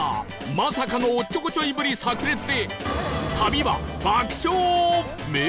まさかのおっちょこちょいぶり炸裂で